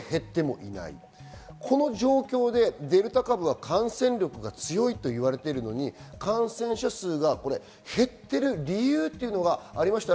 この状況でデルタ株は感染力が強いと言われているのに、感染者数が減っている理由はありますか？